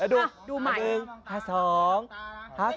เอาดูใหม่หนึ่งหัส๒หัส๓